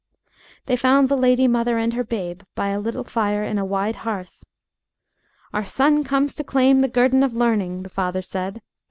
They found the lady mother and her babe by a little fire in a wide hearth. "Our son comes to claim the guerdon of learning," the father said.